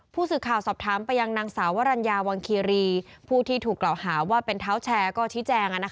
ผู้สื่อข่าวสอบถามไปยังนางสาววรรณญาวังคีรีผู้ที่ถูกกล่าวหาว่าเป็นเท้าแชร์ก็ชี้แจง